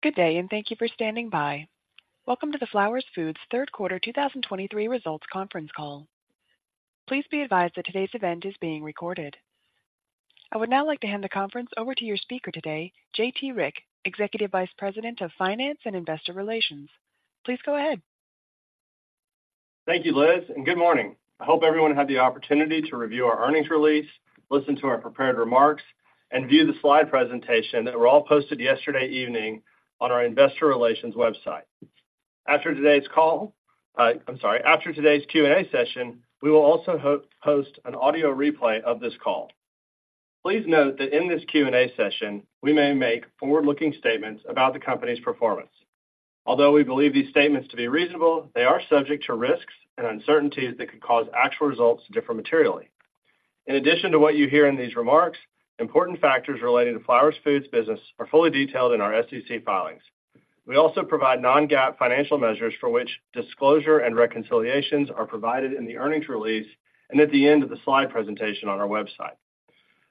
Good day, and thank you for standing by. Welcome to the Flowers Foods Third Quarter 2023 Results Conference Call. Please be advised that today's event is being recorded. I would now like to hand the conference over to your speaker today, J.T. Rieck, Executive Vice President of Finance and Investor Relations. Please go ahead. Thank you, Liz, and good morning. I hope everyone had the opportunity to review our earnings release, listen to our prepared remarks, and view the slide presentation that were all posted yesterday evening on our investor relations website. After today's Q&A session, we will also host an audio replay of this call. Please note that in this Q&A session, we may make forward-looking statements about the company's performance. Although we believe these statements to be reasonable, they are subject to risks and uncertainties that could cause actual results to differ materially. In addition to what you hear in these remarks, important factors relating to Flowers Foods' business are fully detailed in our SEC filings. We also provide non-GAAP financial measures for which disclosure and reconciliations are provided in the earnings release and at the end of the slide presentation on our website.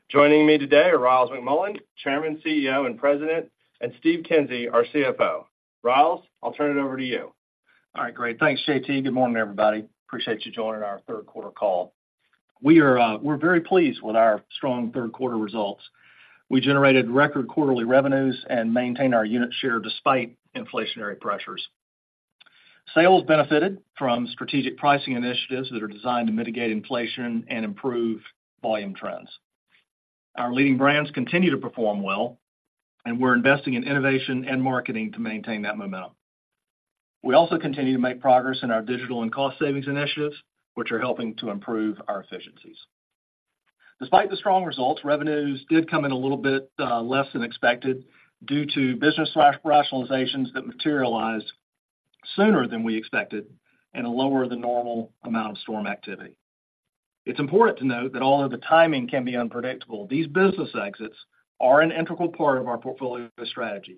Joining me today are Ryals McMullian, Chairman, CEO, and President, and Steve Kinsey, our CFO. Ryals, I'll turn it over to you. All right, great. Thanks, J.T. Good morning, everybody. Appreciate you joining our third quarter call. We are, we're very pleased with our strong third quarter results. We generated record quarterly revenues and maintained our unit share despite inflationary pressures. Sales benefited from strategic pricing initiatives that are designed to mitigate inflation and improve volume trends. Our leading brands continue to perform well, and we're investing in innovation and marketing to maintain that momentum. We also continue to make progress in our digital and cost savings initiatives, which are helping to improve our efficiencies. Despite the strong results, revenues did come in a little bit less than expected due to business rationalizations that materialized sooner than we expected and a lower than normal amount of storm activity. It's important to note that although the timing can be unpredictable, these business exits are an integral part of our portfolio strategy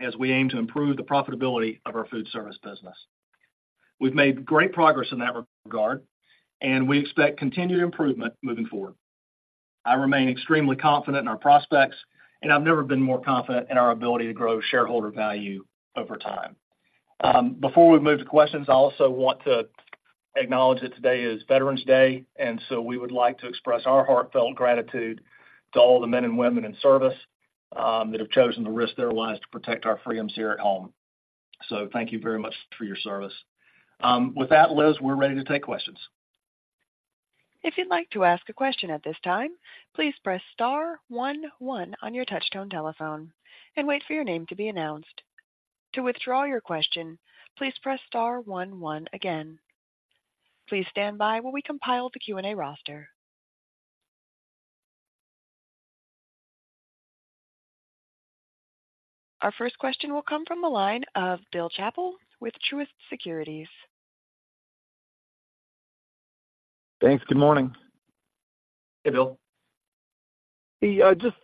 as we aim to improve the profitability of our food service business. We've made great progress in that regard, and we expect continued improvement moving forward. I remain extremely confident in our prospects, and I've never been more confident in our ability to grow shareholder value over time. Before we move to questions, I also want to acknowledge that today is Veterans Day, and so we would like to express our heartfelt gratitude to all the men and women in service, that have chosen to risk their lives to protect our freedoms here at home. So thank you very much for your service. With that, Liz, we're ready to take questions. If you'd like to ask a question at this time, please press star one, one on your touchtone telephone and wait for your name to be announced. To withdraw your question, please press star one, one again. Please stand by while we compile the Q&A roster. Our first question will come from the line of Bill Chappell with Truist Securities. Thanks. Good morning. Hey, Bill. Hey, just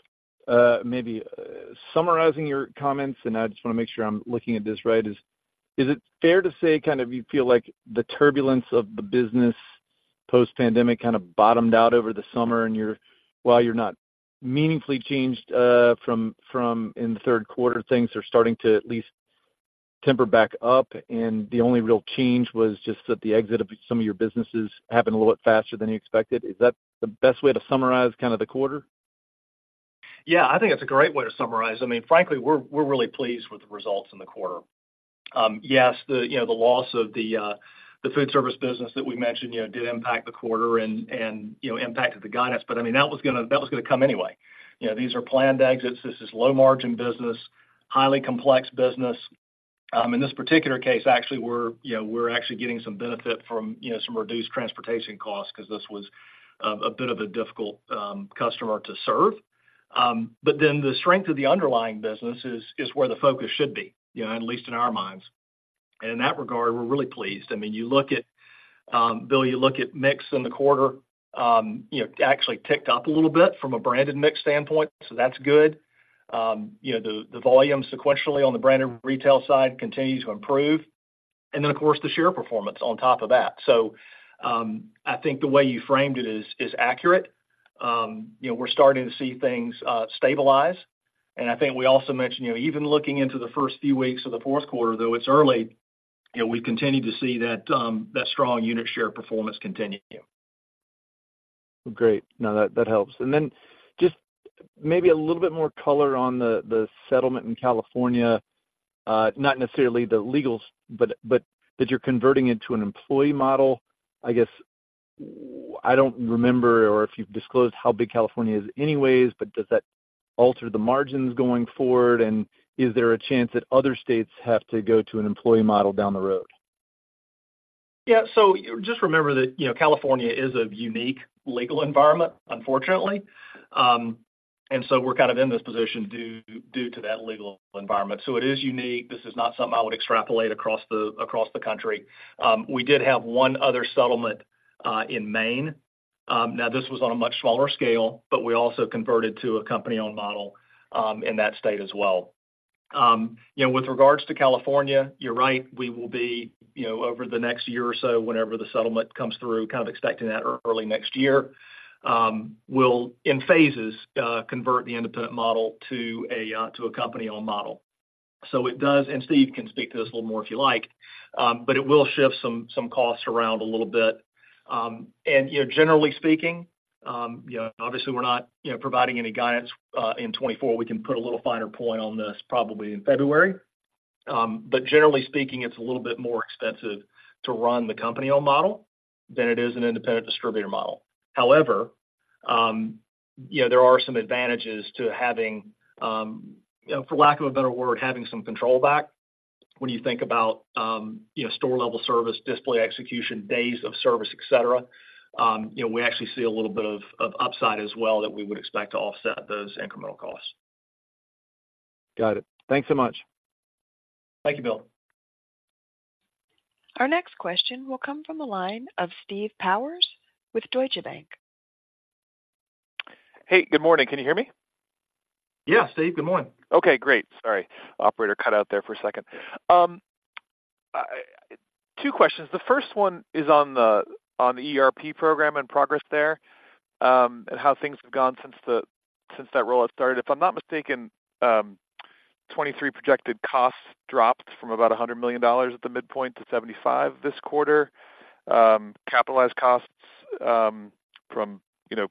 maybe summarizing your comments, and I just want to make sure I'm looking at this right, is: Is it fair to say kind of you feel like the turbulence of the business post-pandemic kind of bottomed out over the summer, and you're, while you're not meaningfully changed, from in the third quarter, things are starting to at least temper back up, and the only real change was just that the exit of some of your businesses happened a little bit faster than you expected? Is that the best way to summarize kind of the quarter? Yeah, I think it's a great way to summarize. I mean, frankly, we're really pleased with the results in the quarter. Yes, you know, the loss of the food service business that we mentioned, you know, did impact the quarter and, you know, impacted the guidance, but I mean, that was gonna come anyway. You know, these are planned exits. This is low margin business, highly complex business. In this particular case, actually, you know, we're actually getting some benefit from, you know, some reduced transportation costs because this was a bit of a difficult customer to serve. But then the strength of the underlying business is where the focus should be, you know, at least in our minds. And in that regard, we're really pleased. I mean, you look at, Bill, you look at mix in the quarter, you know, actually ticked up a little bit from a branded mix standpoint, so that's good. You know, the volume sequentially on the branded retail side continues to improve, and then, of course, the share performance on top of that. So, I think the way you framed it is accurate. You know, we're starting to see things stabilize, and I think we also mentioned, you know, even looking into the first few weeks of the fourth quarter, though, it's early, you know, we continue to see that strong unit share performance continue. Great. No, that helps. And then just maybe a little bit more color on the settlement in California, not necessarily the legals, but that you're converting into an employee model. I guess I don't remember or if you've disclosed how big California is anyways, but does that alter the margins going forward? And is there a chance that other states have to go to an employee model down the road? Yeah, so just remember that, you know, California is a unique legal environment, unfortunately. So we're kind of in this position due to that legal environment. So it is unique. This is not something I would extrapolate across the country. We did have one other settlement in Maine. Now this was on a much smaller scale, but we also converted to a company-owned model in that state as well. You know, with regards to California, you're right, we will be, you know, over the next year or so, whenever the settlement comes through, kind of expecting that early next year, we'll, in phases, convert the independent model to a company-owned model. So it does, and Steve can speak to this a little more if you like, but it will shift some costs around a little bit. And, you know, generally speaking, you know, obviously, we're not, you know, providing any guidance in 2024. We can put a little finer point on this probably in February. But generally speaking, it's a little bit more expensive to run the company-owned model than it is an independent distributor model. However, you know, there are some advantages to having, you know, for lack of a better word, having some control back when you think about, you know, store-level service, display execution, days of service, et cetera. You know, we actually see a little bit of upside as well that we would expect to offset those incremental costs. Got it. Thanks so much. Thank you, Bill. Our next question will come from the line of Steve Powers with Deutsche Bank. Hey, good morning. Can you hear me? Yes, Steve, good morning. Okay, great. Sorry. Operator cut out there for a second. Two questions. The first one is on the ERP program and progress there, and how things have gone since the rollout started. If I'm not mistaken, 2023 projected costs dropped from about $100 million at the midpoint to $75 million this quarter. Capitalized costs from, you know,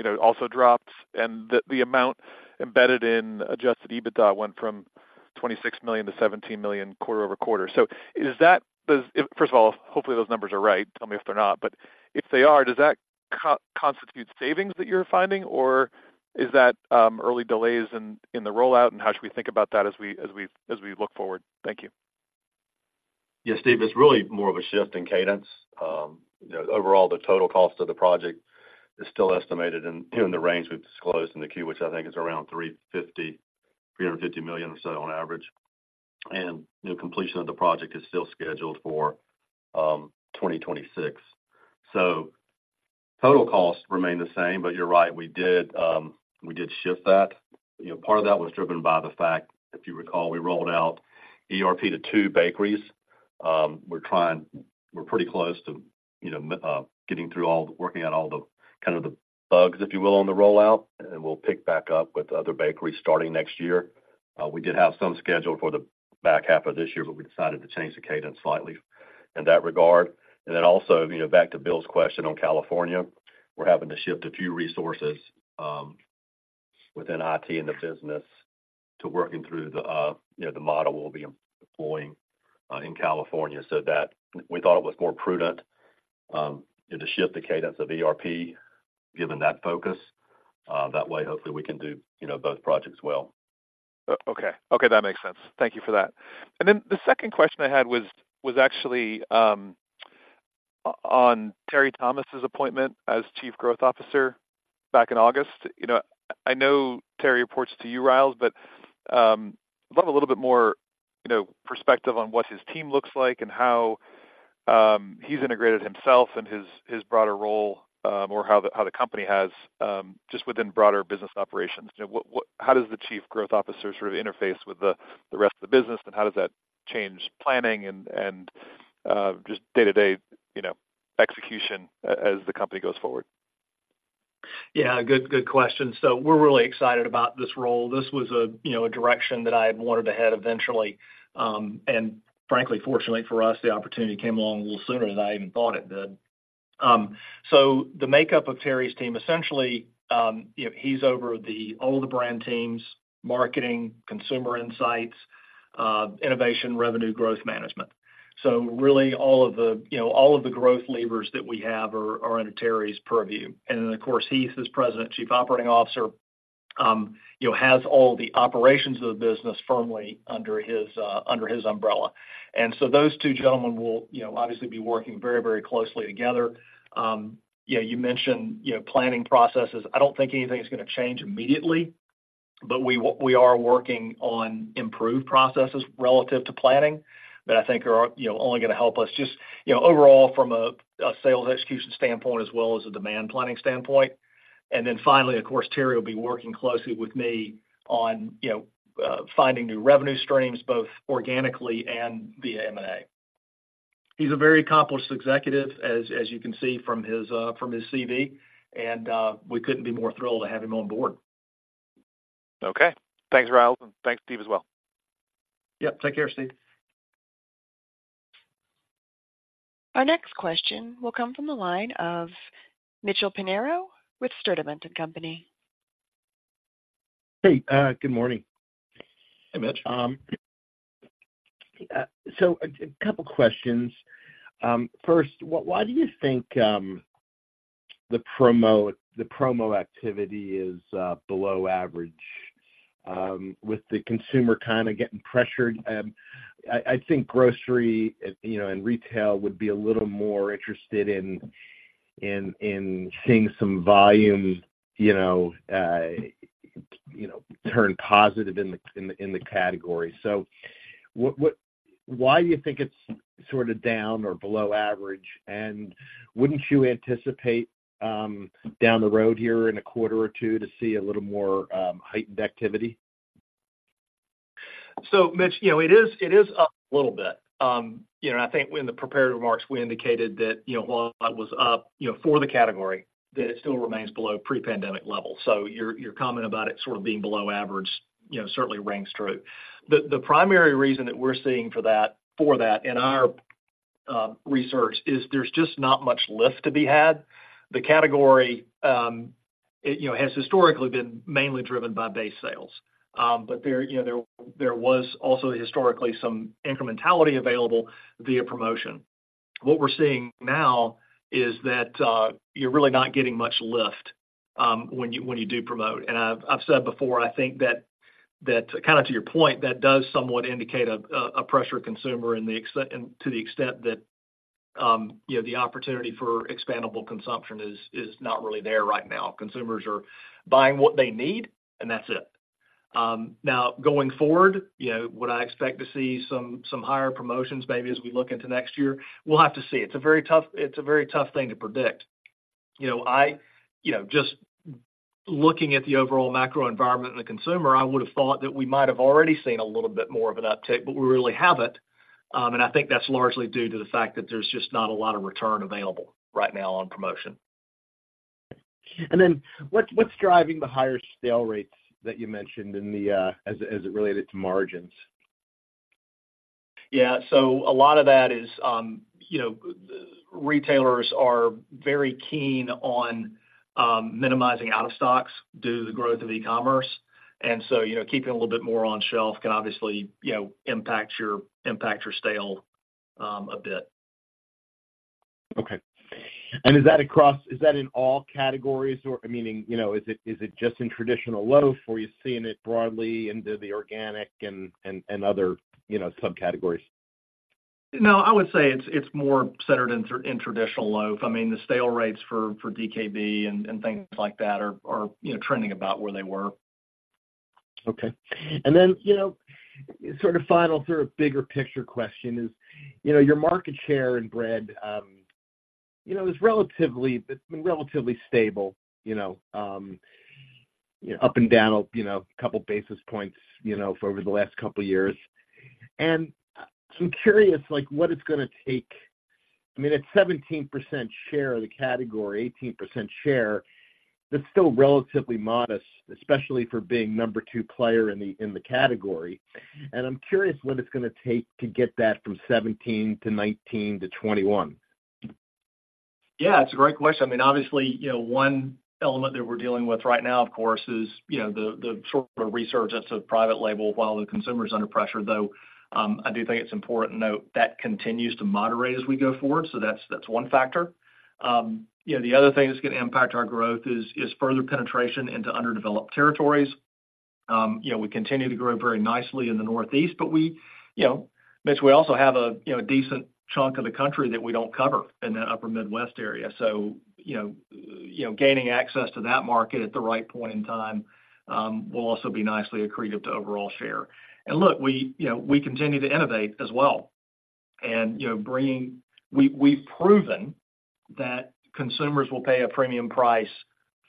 you know, also dropped, and the amount embedded in Adjusted EBITDA went from $26 million to $17 million quarter-over-quarter. So is that does. First of all, hopefully, those numbers are right. Tell me if they're not. But if they are, does that constitute savings that you're finding, or is that early delays in the rollout, and how should we think about that as we look forward? Thank you. Yeah, Steve, it's really more of a shift in cadence. You know, overall, the total cost of the project is still estimated in the range we've disclosed in the Q, which I think is around $350 million or so on average. And, you know, completion of the project is still scheduled for 2026. So total costs remain the same, but you're right, we did shift that. You know, part of that was driven by the fact, if you recall, we rolled out ERP to two bakeries. We're pretty close to, you know, working out all the, kind of the bugs, if you will, on the rollout, and we'll pick back up with other bakeries starting next year. We did have some scheduled for the back half of this year, but we decided to change the cadence slightly in that regard. And then also, you know, back to Bill's question on California, we're having to shift a few resources, within IT and the business to working through the, you know, the model we'll be employing, in California so that we thought it was more prudent, to shift the cadence of ERP, given that focus. That way, hopefully, we can do, you know, both projects well. Okay. Okay, that makes sense. Thank you for that. And then the second question I had was actually on Terry Thomas's appointment as Chief Growth Officer back in August. You know, I know Terry reports to you, Riles, but I'd love a little bit more, you know, perspective on what his team looks like and how he's integrated himself and his broader role or how the company has just within broader business operations. You know, what how does the chief growth officer sort of interface with the rest of the business, and how does that change planning and just day-to-day, you know, execution as the company goes forward? Yeah, good, good question. So we're really excited about this role. This was a, you know, a direction that I had wanted to head eventually, and frankly, fortunately for us, the opportunity came along a little sooner than I even thought it did. So the makeup of Terry's team, essentially, you know, he's over all of the brand teams, marketing, consumer insights, innovation, revenue growth management. So really, all of the, you know, all of the growth levers that we have are under Terry's purview. And then, of course, he, as President, Chief Operating Officer, you know, has all the operations of the business firmly under his umbrella. And so those two gentlemen will, you know, obviously be working very, very closely together. Yeah, you mentioned, you know, planning processes. I don't think anything is gonna change immediately, but we are working on improved processes relative to planning that I think are, you know, only gonna help us just, you know, overall from a sales execution standpoint as well as a demand planning standpoint. And then finally, of course, Terry will be working closely with me on, you know, finding new revenue streams, both organically and via M&A. He's a very accomplished executive, as you can see from his CV, and we couldn't be more thrilled to have him on board. Okay. Thanks, Ryals, and thanks, Steve, as well. Yep. Take care, Steve. Our next question will come from the line of Mitchell Pinheiro with Sturdivant & Company. Hey, good morning. Hey, Mitch. So a couple questions. First, why do you think the promo activity is below average with the consumer kinda getting pressured? I think grocery, you know, and retail would be a little more interested in seeing some volume, you know, turn positive in the category. So what why do you think it's sort of down or below average, and wouldn't you anticipate down the road here in a quarter or two to see a little more heightened activity? So Mitch, you know, it is up a little bit. You know, and I think in the prepared remarks, we indicated that, you know, while it was up, you know, for the category, that it still remains below pre-pandemic levels. So your comment about it sort of being below average, you know, certainly rings true. The primary reason that we're seeing for that in our research is there's just not much lift to be had. The category, you know, has historically been mainly driven by base sales. But there, you know, there was also historically some incrementality available via promotion. What we're seeing now is that you're really not getting much lift when you do promote. I've said before, I think that kind of to your point, that does somewhat indicate a pressured consumer to the extent that, you know, the opportunity for expandable consumption is not really there right now. Consumers are buying what they need, and that's it. Now, going forward, you know, would I expect to see some higher promotions maybe as we look into next year? We'll have to see. It's a very tough thing to predict. You know, just looking at the overall macro environment and the consumer, I would have thought that we might have already seen a little bit more of an uptick, but we really haven't. And I think that's largely due to the fact that there's just not a lot of return available right now on promotion. Then what's driving the higher stale rates that you mentioned in the as it related to margins? Yeah, so a lot of that is, you know, retailers are very keen on, minimizing out-of-stocks due to the growth of e-commerce. And so, you know, keeping a little bit more on shelf can obviously, you know, impact your, impact your stale, a bit. Okay. And is that across, is that in all categories or meaning, you know, is it, is it just in traditional loaf, or are you seeing it broadly into the organic and, and, and other, you know, subcategories? No, I would say it's more centered in traditional loaf. I mean, the stale rates for DKB and things like that are, you know, trending about where they were. Okay. And then, you know, sort of final, sort of bigger picture question is, you know, your market share in bread, you know, is relatively it's been relatively stable, you know, up and down, you know, a couple basis points, you know, for over the last couple of years. And so I'm curious, like, what it's gonna take... I mean, at 17% share of the category, 18% share, that's still relatively modest, especially for being No. two player in the, in the category. And I'm curious what it's gonna take to get that from 17 to 19 to 21. Yeah, it's a great question. I mean, obviously, you know, one element that we're dealing with right now, of course, is, you know, the, the sort of resurgence of private label while the consumer is under pressure, though, I do think it's important to note that continues to moderate as we go forward. So that's, that's one factor. You know, the other thing that's going to impact our growth is, is further penetration into underdeveloped territories. You know, we continue to grow very nicely in the Northeast, but we, you know, Mitch, we also have a, you know, a decent chunk of the country that we don't cover in that Upper Midwest area. So, you know, you know, gaining access to that market at the right point in time, will also be nicely accretive to overall share. Look, we, you know, we continue to innovate as well. You know, we've proven that consumers will pay a premium price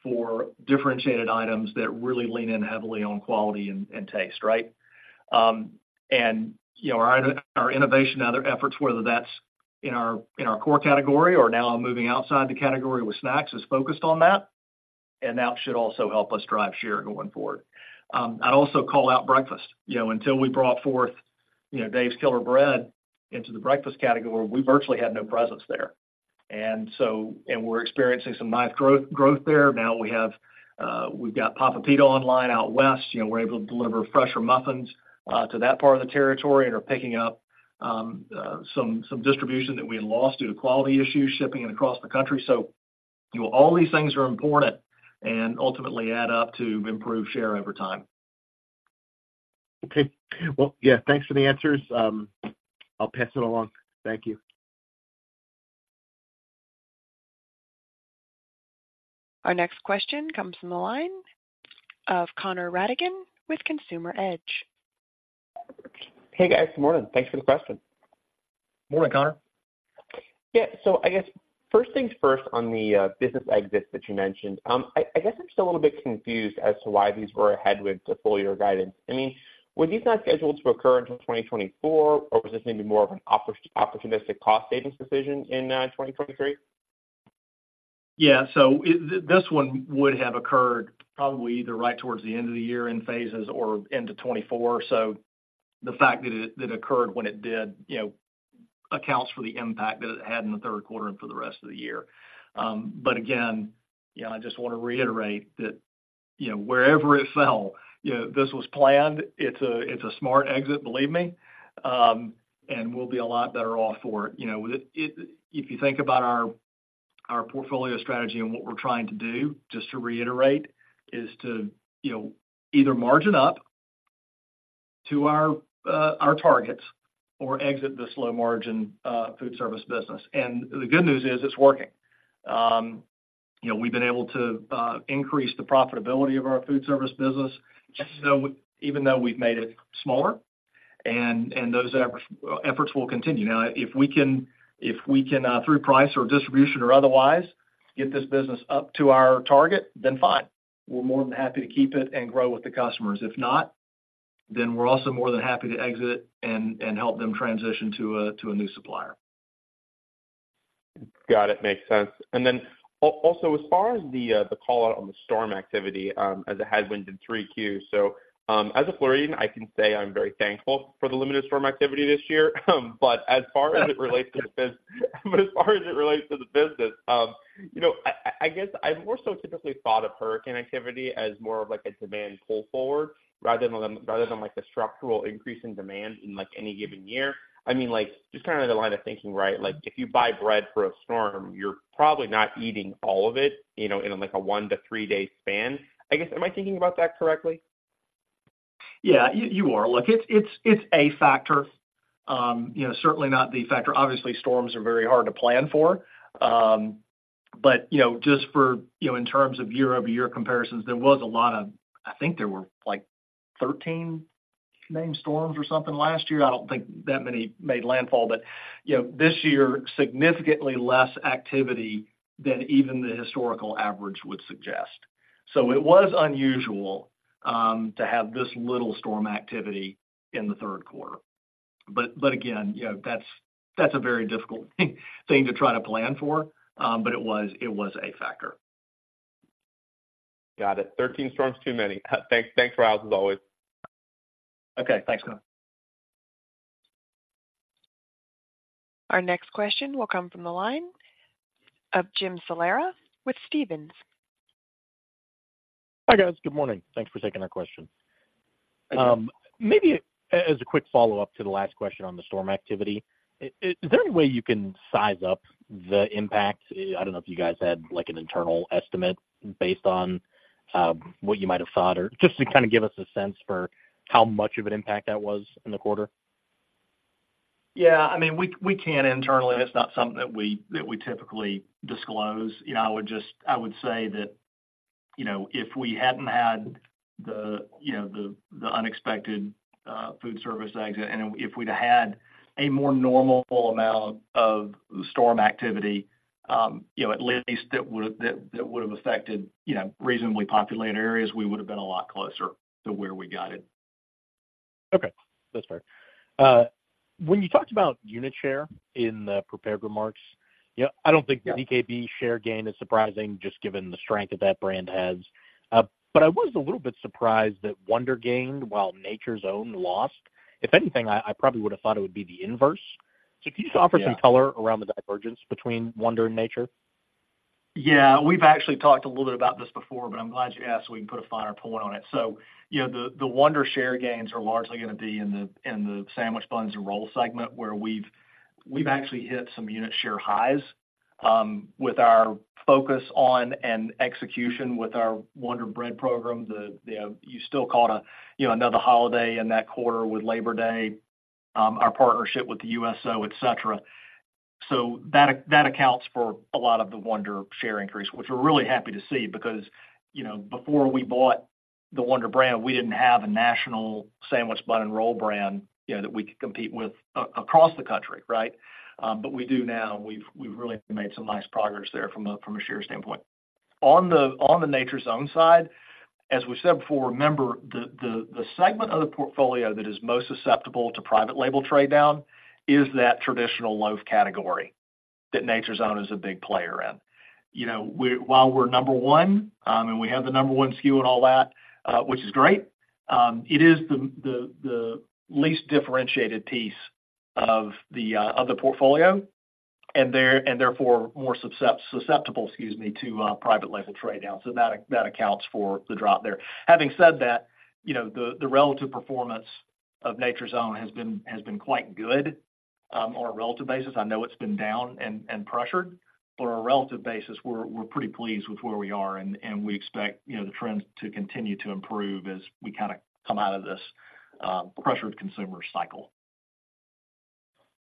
for differentiated items that really lean in heavily on quality and, and taste, right? And, you know, our innovation and other efforts, whether that's in our, in our core category or now moving outside the category with snacks, is focused on that, and that should also help us drive share going forward. I'd also call out breakfast. You know, until we brought forth, you know, Dave's Killer Bread into the breakfast category, we virtually had no presence there. And we're experiencing some nice growth there. Now, we have, we've got Papa Pete online out West. You know, we're able to deliver fresher muffins to that part of the territory and are picking up some distribution that we had lost due to quality issues, shipping it across the country. So, you know, all these things are important and ultimately add up to improved share over time. Okay. Well, yeah, thanks for the answers. I'll pass it along. Thank you. Our next question comes from the line of Connor Rattigan with Consumer Edge. Hey, guys. Good morning. Thanks for the question. Morning, Conor. Yeah. So I guess first things first on the business exits that you mentioned. I guess I'm still a little bit confused as to why these were ahead with the full year guidance. I mean, were these not scheduled to occur until 2024, or was this maybe more of an opportunistic cost savings decision in 2023? Yeah. So it, this one would have occurred probably either right towards the end of the year in phases or into 2024. So the fact that it occurred when it did, you know, accounts for the impact that it had in the third quarter and for the rest of the year. But again, you know, I just want to reiterate that, you know, wherever it fell, you know, this was planned. It's a smart exit, believe me, and we'll be a lot better off for it. You know, if you think about our portfolio strategy and what we're trying to do, just to reiterate, is to, you know, either margin up to our targets or exit this low-margin food service business. And the good news is, it's working. You know, we've been able to increase the profitability of our food service business, even though, even though we've made it smaller, and, and those efforts, efforts will continue. Now, if we can, if we can, through price or distribution or otherwise, get this business up to our target, then fine, we're more than happy to keep it and grow with the customers. If not, then we're also more than happy to exit and, and help them transition to a, to a new supplier. Got it. Makes sense. And then also, as far as the call-out on the storm activity as a headwind in 3Qs. So, as a Floridian, I can say I'm very thankful for the limited storm activity this year. But as far as it relates to the business, you know, I guess I've more so typically thought of hurricane activity as more of like a demand pull forward rather than like the structural increase in demand in like any given year. I mean, like, just kind of the line of thinking, right? Like, if you buy bread for a storm, you're probably not eating all of it, you know, in like a one to three day span. I guess, am I thinking about that correctly? Yeah, you are. Look, it's a factor, you know, certainly not the factor. Obviously, storms are very hard to plan for. But, you know, just for, you know, in terms of year-over-year comparisons, there was a lot of... I think there were like 13 main storms or something last year. I don't think that many made landfall, but, you know, this year, significantly less activity than even the historical average would suggest. So it was unusual to have this little storm activity in the third quarter. But again, you know, that's a very difficult thing to try to plan for, but it was a factor. Got it. 13 storms, too many. Thanks, thanks, Ryals, as always. Okay. Thanks, guys. Our next question will come from the line of Jim Salera with Stephens. Hi, guys. Good morning. Thanks for taking our question. Thank you. Maybe as a quick follow-up to the last question on the storm activity, is there any way you can size up the impact? I don't know if you guys had, like, an internal estimate based on what you might have thought, or just to kind of give us a sense for how much of an impact that was in the quarter. Yeah, I mean, we can internally, and it's not something that we typically disclose. You know, I would just say that, you know, if we hadn't had the, you know, the unexpected food service exit, and if we'd had a more normal amount of storm activity, you know, at least that would have affected reasonably populated areas, we would have been a lot closer to where we guided. Okay, that's fair. When you talked about unit share in the prepared remarks, you know, I don't think- Yeah. the DKB share gain is surprising, just given the strength that that brand has. But I was a little bit surprised that Wonder gained while Nature's Own lost. If anything, I, I probably would have thought it would be the inverse. Yeah. Can you just offer some color around the divergence between Wonder and Nature? Yeah. We've actually talked a little bit about this before, but I'm glad you asked, so we can put a finer point on it. So, you know, the Wonder share gains are largely gonna be in the sandwich buns and roll segment, where we've actually hit some unit share highs with our focus on and execution with our Wonder Bread program. You still call it a, you know, another holiday in that quarter with Labor Day, our partnership with the USO, et cetera. So that accounts for a lot of the Wonder share increase, which we're really happy to see, because, you know, before we bought the Wonder brand, we didn't have a national sandwich bun and roll brand, you know, that we could compete with across the country, right? But we do now, we've really made some nice progress there from a share standpoint. On the Nature's Own side, as we said before, remember, the segment of the portfolio that is most susceptible to Private Label trade down is that traditional loaf category that Nature's Own is a big player in. You know, while we're number one and we have the number one SKU and all that, which is great, it is the least differentiated piece of the portfolio, and therefore, more susceptible, excuse me, to Private Label trade down. So that accounts for the drop there. Having said that, you know, the relative performance of Nature's Own has been quite good on a relative basis. I know it's been down and pressured. But on a relative basis, we're pretty pleased with where we are, and we expect, you know, the trends to continue to improve as we kind of come out of this pressured consumer cycle.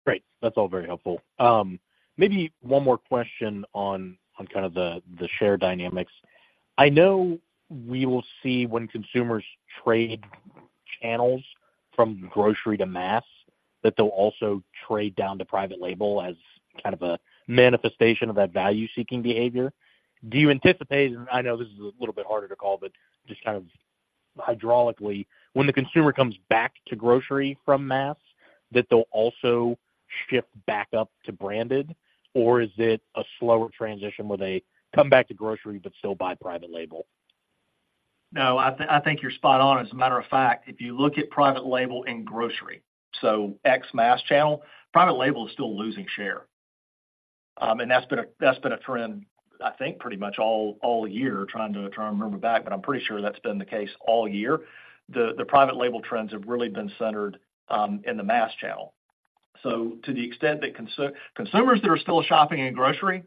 Great. That's all very helpful. Maybe one more question on kind of the share dynamics. I know we will see when consumers trade channels from grocery to mass, that they'll also trade down to private label as kind of a manifestation of that value-seeking behavior. Do you anticipate, and I know this is a little bit harder to call, but just kind of hydraulically, when the consumer comes back to grocery from mass, that they'll also shift back up to branded? Or is it a slower transition where they come back to grocery but still buy private label? No, I think you're spot on. As a matter of fact, if you look at private label in grocery, so ex mass channel, private label is still losing share. And that's been a trend, I think, pretty much all year. Trying to remember back, but I'm pretty sure that's been the case all year. The private label trends have really been centered in the mass channel. So to the extent that consumers that are still shopping in grocery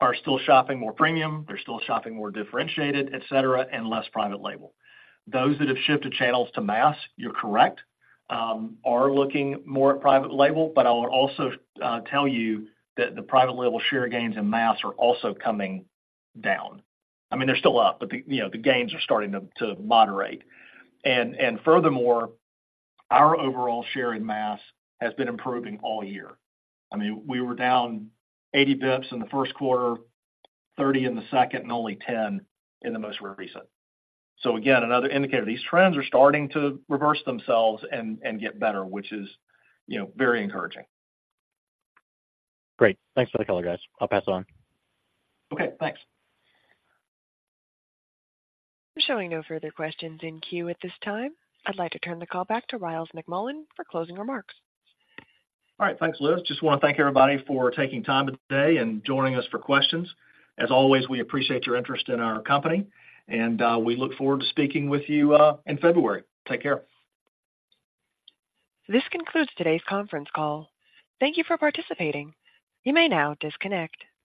are still shopping more premium, they're still shopping more differentiated, et cetera, and less private label. Those that have shifted channels to mass, you're correct, are looking more at private label, but I'll also tell you that the private label share gains in mass are also coming down. I mean, they're still up, but the, you know, the gains are starting to moderate. And furthermore, our overall share in mass has been improving all year. I mean, we were down 80 basis points in the first quarter, 30 in the second, and only 10 in the most recent. So again, another indicator, these trends are starting to reverse themselves and get better, which is, you know, very encouraging. Great. Thanks for the color, guys. I'll pass it on. Okay, thanks. I'm showing no further questions in queue at this time. I'd like to turn the call back to Ryals McMullian for closing remarks. All right. Thanks, Liz. Just want to thank everybody for taking time today and joining us for questions. As always, we appreciate your interest in our company, and we look forward to speaking with you in February. Take care. This concludes today's conference call. Thank you for participating. You may now disconnect.